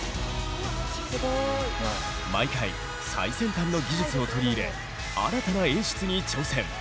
毎回最先端の技術を取り入れ新たな演出に挑戦。